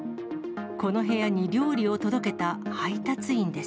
この部屋に料理を届けた配達員です。